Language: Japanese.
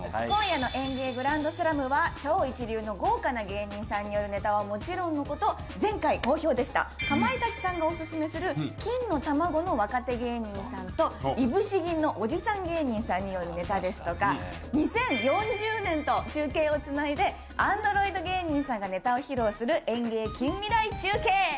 今夜の『ＥＮＧＥＩグランドスラム』は超一流の豪華な芸人さんによるネタはもちろんのこと前回好評でしたかまいたちさんがお薦めする金の卵の若手芸人さんといぶし銀のおじさん芸人さんによるネタですとか２０４０年と中継をつないでアンドロイド芸人さんがネタを披露するＥＮＧＥＩ近未来中継！